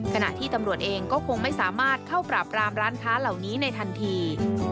ขณะที่ตำรวจเองก็คงไม่สามารถเข้าปราบรามร้านค้าเหล่านี้ในทันที